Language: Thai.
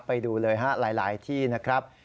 ไปดูเลยฮะหลายที่นะครับ